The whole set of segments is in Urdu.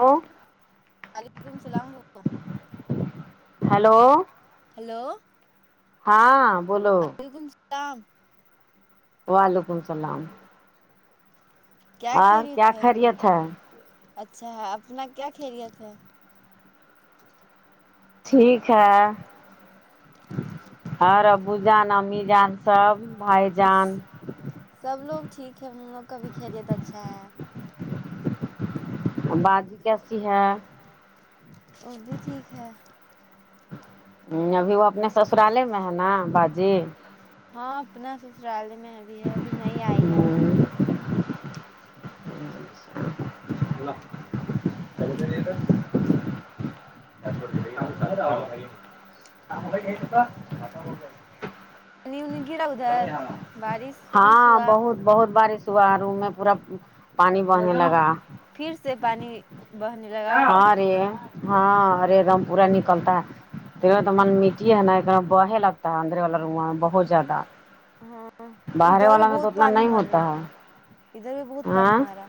او وعلیکم سلام ہیلو ہیلو ہیلو ہاں وعلیکم سلام وعلیکم السلام کیا اور خیریت کیا ہے ہم خیریت ہے لوگ اچھا اپنا کیا خیریت ٹھیک ہے اور ابو جان امی جان سب بھائی جان سب لوگ ٹھیک ہے ان لوگ کا بھی خیریت اچھا ہے باجی کیسی ہے وہ بھی ٹھیک ہے ہمم ابھی وہ اپنے سسرالے میں ہے نا باجی ہاں اپنا سسرالے میں ابھی ہے ابھی نہیں آئی ہے [unintelligible] نہیں [unintelligible] ہاں بہت بہت بارش ہوا روم میں پورا پانی بہرنے لگا پھر سے پانی بہرنے لگ ہاں رے ہاں ارے [unintelligible] پورا نکلتا ہے تیرا تو من مٹی ہے نا ایک دم بہے لگتا ہے اندرے والا روما میں بہت زیادہ ہاں ا باہرے دھر والا میں تو بہت اتنا پانی نہیں ہوتا مرلا ہے ادھر بھی بہت ہاں پانی مارا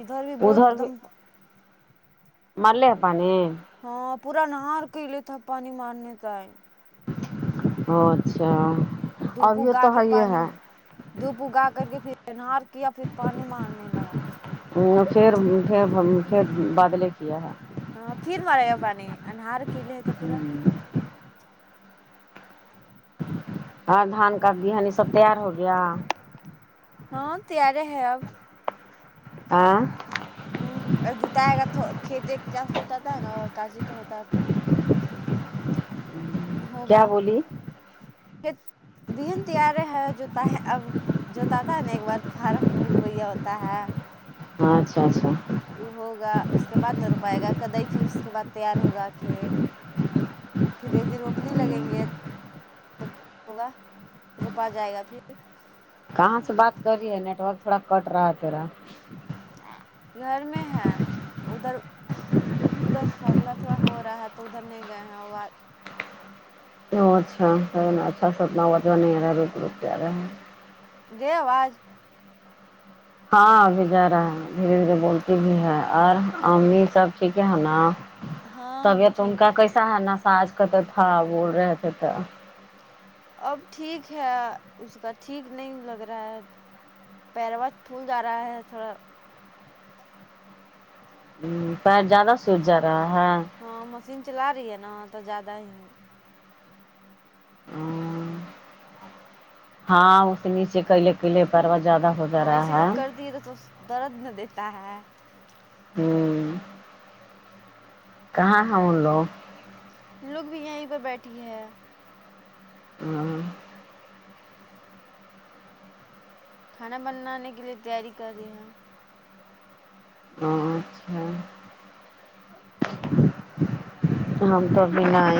ادھر بھی بہت ایک دم مرلے ہے پانی ہاں پورا نہار کے لیے تھا پانی مارنے ہے اچھا دو وپو ابھی گا تو کے ہے یہ پانی ہے دھوپ اگا کر کے پھر کیا پھر پانی مارنے لگا [unintelligible] پھر پھر بادلے کیا ہے ہاں پھر لایا پانی انار کیلے تو پورا اور دھان کا بہانی سب تیار ہو گیا ہاں تیارے ہے اب آں ہوں اور جتائے گا تو کھیت ایک جتاتا ہے نا کاچی تو ہوتا ہے کیا ہوگا بولی دن تیار ہے جوتا ہے اب جو دادا نے ایک بار فارم رویہ ہوتا ہے اچھا اچھا وہ ہوگا اس کے بعد نہ رو پائے گا کدھی اس کے بعد تیار ہوگا کھیت تو پھر ایک دن رو اپنی لگیں گے ہوگا روپا جائے گا پھر کہاں سے بات کر رہی ہے نیٹ ورک تھوڑا کٹ رہا ہےتیرا گھر میں ہیں ادھر ادھر ہلہ تھوڑا ہو رہا ہے تو ادھر نہیں گئے ہیں اچھا اچھا انار رک رک کیا رہا گئے آواز ہاں ابھی جا رہا ہے دھیرے دھیرے بولتی بھی ہے اور امی سب ٹھیک ہے ہے نا ہاں وہ بھی طبیعت ان ٹھیک کا کیسا ہے نا ساس کا طبیعت خراب تھا بول رہے تھے تو اب ٹھیک ہے اس کا ٹھیک نہیں لگ رہا ہے پیروا پھول جا رہا ہے تھوڑا ام پیر زیادہ سوج جا رہا ہے ہاں مشین چلا رہی ہے نا تو زیادہ ہی ہاں اس نیچے کیلے کیلے پروا زیادہ ہو جا رہا ہے توس [unintelligible] درد نہ دیتا ہے ہوں کہاں ہیں ان لوگ لوگ بھی یہیں پر بیٹھی ہے کھانا بنانے کے لیے تیاری کر رہی ہیں آں اچھا ہم تو بنائ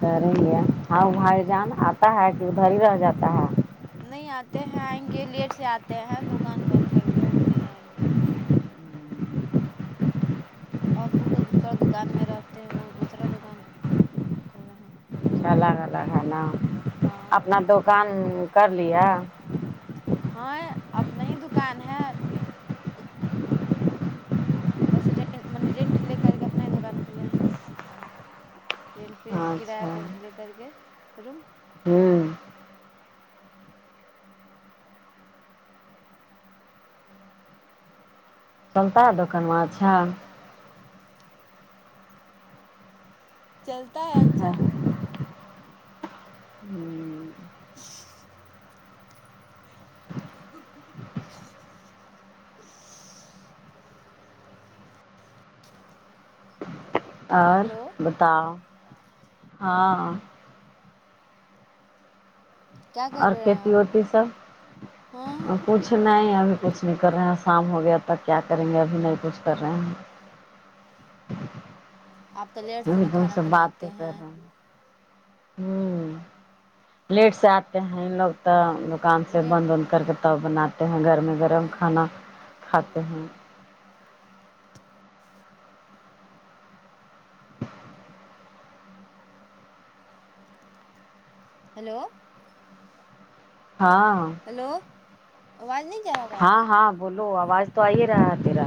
کر رہی ہے آؤ بھائی جان آتا ہے کہ ادھر ہی رہ جاتا ہے نہیں آتے ہیں آئیں گے لیٹ سے آتے ہیں دکان بند کر کے ابھی نہیں آئیں گے اب وہ تو دوسرا دکان میں رہتے ہیں وہ دوسرا دکان کھولے ہیں ال الگ الگ ہے نا ہاں اپنا دکان کر لیا ہاں اپنا ہی دکان ہے بس رین م رینٹ لے کر کے اپنا ہی دکان کھلے ہیں رینٹ پہ کرایہ اچھا پہ لے کر کے روم ہوں چلتا ہے دکان وہاں اچھا چلتا ہے اچھا اور ہلو بتاؤ ہاں کیا کر اور رہے ہیں کھیتی آپ وتی ہاں سب کچھ کھیتی، نہیں ابھی کچھ نہیں کر رہے ہیں شام ہو گیاب تک کیا کریں گے ابھی نہیں کچھ کر رہے ہیں آپ تو لیٹ وہ نا تو ہم کھانا سے باتیں بناتے کر رہے ہیں ہوں لیٹ سے آ یں لوگ تو دکان سے لیٹ بند اند کر کے تب بناات کھے ہیں گرم گرم ہاں کھانا کھاتے ہیں ہیلو ہاں ہیلو آواز نہی ہاں ہاں بولو آواز تو آئی ہی رہا ہے تیرا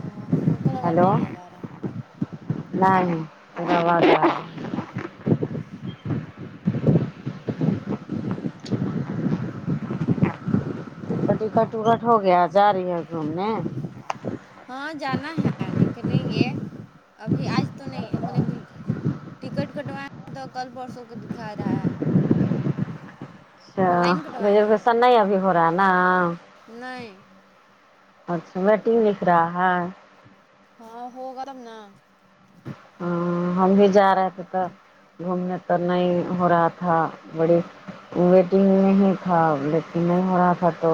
ا ہم کو لگا ہیلو نہیں ہے جا رہا نہیں ر گ بٹی کٹ وٹکٹ ہو گیا جا رہی ہے گھومنے ہاں جانا ہے نکلیں گے ابھی آج تو نہیں مطلب کہ ٹکٹ کٹوائے تو کل پرسوں کے دکھا رہا ہے اچھا آن لائن کٹوائے ہیں مریسن نہیں ابھی ہو رہا ہے نا ہاں نہیں اچھا ویٹنگ دکھ رہا ہے ہاں ہو گم تبنا ہ ہم بھی جا رہے تھے تو گھومنے تو نہیں ہو رہا تھا تھا بڑی ویگ میں ہی تھا نہیں ہو رہا تھا تو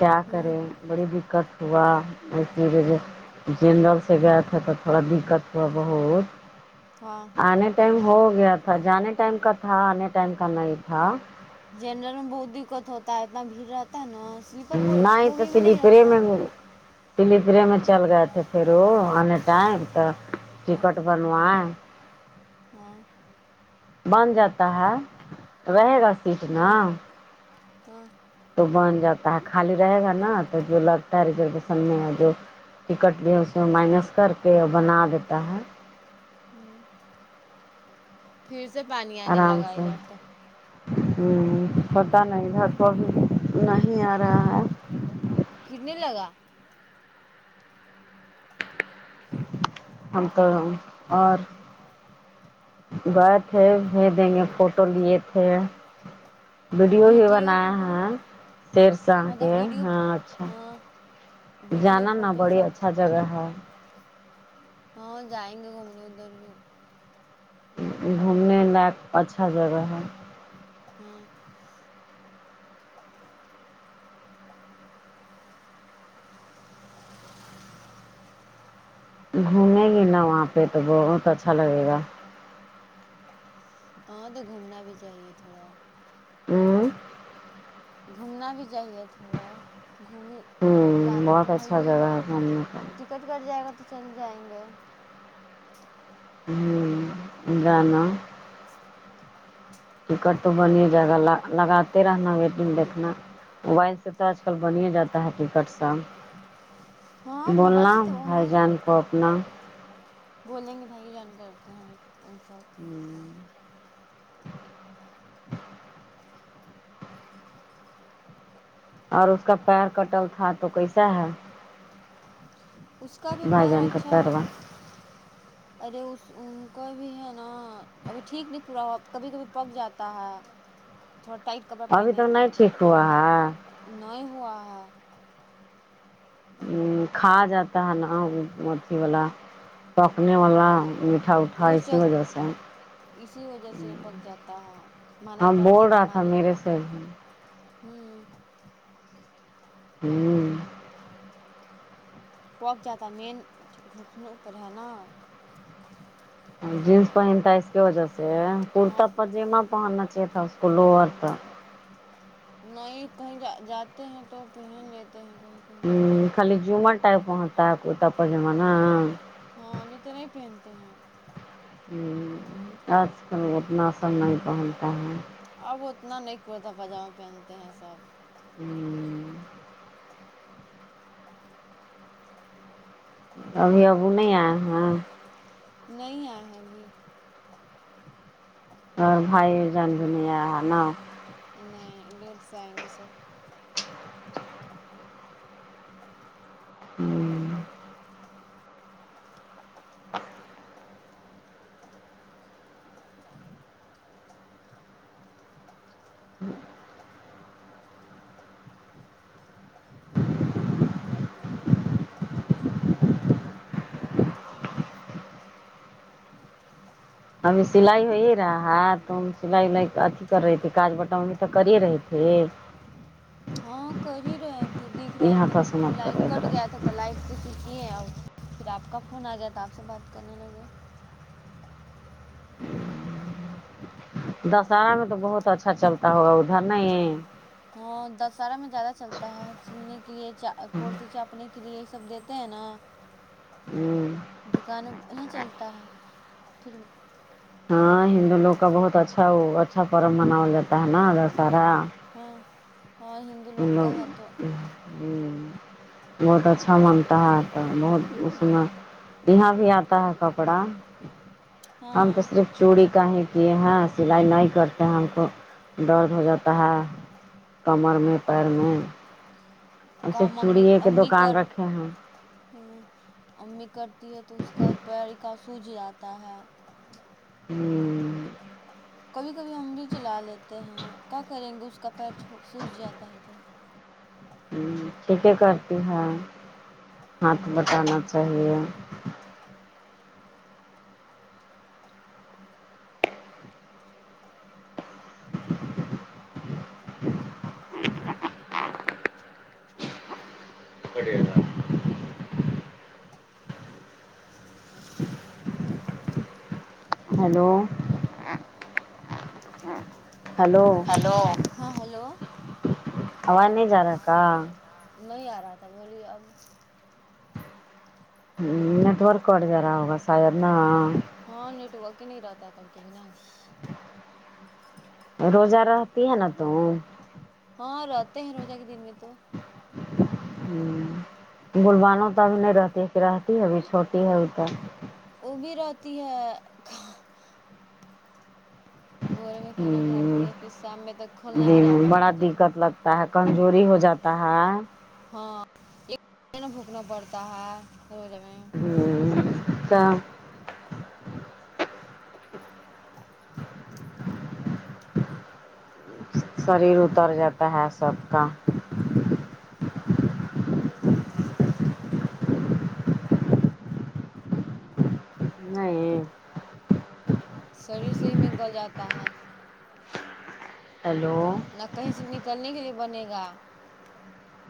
کیا ہوں کرے بڑی دقت ہوا اسس لی لیے جو جنرل سے گیا تھے تو تھوڑا دقت تھڑا بہت ہاں آنے ٹائم ہو گیا تھا جانے ٹائم کا تھا آنے ٹائم کا نہیں تھا جنرل میں بہت دقت ہوتا ہے اتنا بھیڑ رہتا ہے نا سلیپر نہیں تو بوگی میں نہیں سلیپر ہے م رہتا م پلی پرے میں چل گئے تھے پھر وہ آنے ٹائم تو ٹکٹ بنوائے ہاں بن جاتا ہے رہے گا سیٹ ہاں نا ہاں تو بن جاتا ہے خالی رہے گا نا تو جو لگتا ہے ریزرویشن میں جو ٹکٹ بھی اس میں مائنس کر کے بنا دیتا ہے ہ پھر سے پانی آنے لگا ادھر تو ہ پتہ نہیںدھر توب نہیں آ رہا ہے کتنے لگا ہم تو اور اور گئے تھے بھی دیں گے فوٹو لیے تھے ویڈیو بھی بھیجیے گا بناائے فوٹو ہیں سیرس آ کے مطلب ویڈیو ہاں اچھا ہاں ویڈیو جانا نا فوٹو بڑی سب اچھا جگہ ہے ہاں جائیں گے گھومنے ادھر بھی گھومنے لائق اچھا جگہ ہے ہاں [inaudible] [inaudible] گھومے گی نا وہاں پہ تو بہت اچھا لگے گا ہاں تو گھومنا بھی چاہیے تھوڑا ہوں گھومنا بھی چاہیے تھوڑا گھوم ہوں جانا تو بہت وہی اچھا یہ جگہ ہے گھومنے کا ٹکٹ کٹ جائے گا تو چل جائیں گے ہوں جانا [unintelligible] اچ ٹکٹ تو بن ہی جائے گا لگاتے رہنا و دن دیکنا ویسے سے تو آج کل بن ہی جاتا ہے ٹکٹ سا ہاں موبائل بولنا سے تو آن بھائی لائن جان کو اپنا بولیں گے بھائی جان کرتے ہیں ان سب ہوں اور اس کا پیر کٹل تھا تو کیسا ہے اس کا بھی بھائی پیر جان کا اچھا ہے پیروا ارے اس ان کو بھی ہے نا ابھی ٹھیک نہیں پورا ہوا کبھی کبھی پک جاتا ہے تھوڑا ٹائٹ کپڑا پہن ابھی لیتے نہیں ہیں تو ٹھیک ہوا ہے نہیں ہوا ہے ہ کھا جاتا ہے نا اھی وال یہ چل وجہ سے [unintelligible] اسی وجہ سے پک جاتا ہے مانع ہاں کرتے بول ہیں تو رہا تھا مان میرے سے ہ ہوں ہوں پک جاتا ہے میں ان گھٹنوں پر ہے نا جینس پہنتا اس کے وجہ سے ہاں کرتا پاجاما پہننا چاہیے تھا اس کو لوور کا نہیں کہیں جا جاتے ہیں تو پہن لیتے ہیں کہیں ہ تو خالی جمر ٹائپ پ ہوتا ہے کوئیتا پر جم نا ہاں نہیں تو نہیں پہنتے ہیں آج کل اتنا سب نہیں پہنتا ہے اب اتنا نہیں کرتا پائجامہ پہنتے ہیں سب ہوں ابھی ابو نہیں آئے ہ نہیں آئے ابھی ہاں بھائی جان بھی نہیں ائے ہے نا نہیں لیٹ سے آئیں گے سر ہوں ہمبیں ھی سلائی ہو ہی رہا ہے تو سلائی اھی کر رہی تھھی کاج بٹامنی تو کر رہے تھے ہاں کر ہی رہے تھے دکھ رہا یہاں تھا تب پھر سمت کر لائٹ کٹ رہے گیا تھا تو لائٹ سےسی کی آؤ پھر آپ کا فون آ گیا تھا آپ سے بات کرنے لگے دشہرا میں تو بہت اچھا چلتا ہوگا ادھر نہیں ہاں دسہرہ میں زیادہ چلتا ہے سلنے کے لیے کرتی چاپنے کے لیے یہ سب دیتے ہیں نا ہ دکان یہ چلتا ہے پھر ہاں ہندو لوگ کا بہت اچھا اچھا پرو مناا جاتا ہے نا دشہرا ہاں ہاں ہند مطلب بہت اچھا مانتا ہے تو بہت اس ہاں میں یہاں بھی آتا ہے کپڑا ہم تو ہاں صرف چوڑی کا ہی کیے ہیں سلائی نہیں کرتے ہیں ہم کو درد ہو جاتا ہے کمر میں پیر میں ہم کام صرف امی چوڑیے کے امی دکان کر رکھے ہیں ہوں امی کرتی ہے تو اس کا پیر کا سوجھ جاتا ہے ہوں کبھی کبھی ہم بھی چلا لیتے ہیں کیا کریں گے اس کا پیر سوچ جاتا ہے تو کیا کیا کرتی ہیں ہاتھ بٹانا چاہیے ہیلو ہیلو ہیلو ہاں ہیلو آواز نئی نہیں آ رہا تھا بولیے اب نیٹورک کٹ جا رہا ہوگا شاید نا ہاں نیٹ ورک ہی نہیں رہتا ہے کبی کبی ںا روزہ رہتی ہے نا تو ہاں رہتے ہیں روزہ کے دن میں تو ہوں بلبانو تو ابھی نہیں رہتی ہے کہ رہتی ابھی چھوٹی ہے وہ تو وہ بھی رہتی ہے بھورے میں کھانا کھاتی ہے پھر شام میں تک کھولنا ہی رہتا ہے بڑا روزہ دقت لگتا ہے کمزوری ہو جاتی کہاں ہاں ایک بھونکنا پڑتا ہے روز ہمے ہوں کیا شریر اتر جاتا ہے سب کا نہیں شریر سہی میں گل جاتا ہے ہیلو نہ کہیں سے نکلنے کے لیے بنے گا